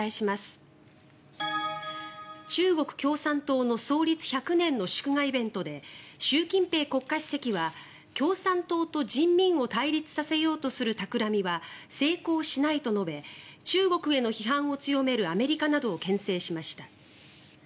中国共産党の創立１００年の祝賀イベントで習近平国家主席は共産党と人民を対立させようとするたくらみは成功しないと述べ中国への批判を強めるアメリカなどをけん制しました。